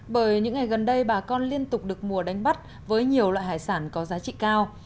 bởi những ngày gần đây bà con liên tục được mùa đánh bắt với nhiều loại hải sản có giá trị cao